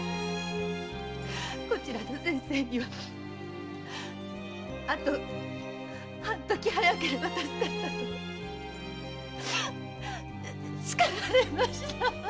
こちらの先生にはあと半時早ければ助かったとしかられました！